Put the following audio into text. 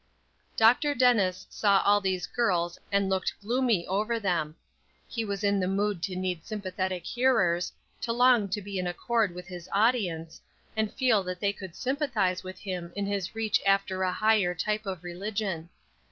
Dr. Dennis saw all these girls, and looked gloomy over them; he was in the mood to need sympathetic hearers, to long to be in accord with his audience, and feel that they could sympathize with him in his reach after a higher type of religion.